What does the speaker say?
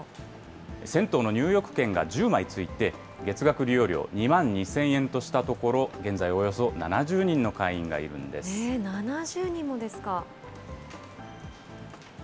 銭湯の入浴券が１０枚付いて、月額利用料２万２０００円としたところ、現在およそ７０人の会員７０人もですか。